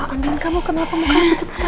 andien kamu kenapa muka pucet sekali